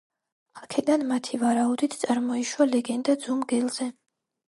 აქედან, მათი ვარაუდით, წარმოიშვა ლეგენდა ძუ მგელზე.